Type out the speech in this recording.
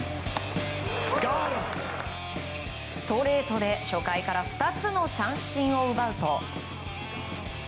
ストレートで初回から２つの三振を奪うと。